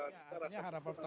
ya harapannya harapan pertama